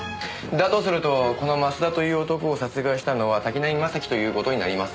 だとするとこの増田という男を殺害したのは滝浪正輝という事になります。